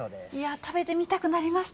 食べてみたくなりました。